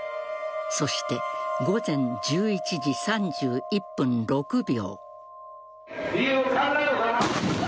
そして午前１１時３１分６秒。